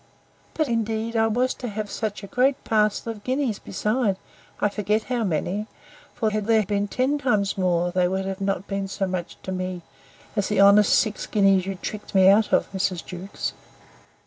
But, indeed, I was to have a great parcel of guineas beside; I forget how many; for, had there been ten times more, they would have been not so much to me, as the honest six guineas you tricked me out of, Mrs. Jewkes.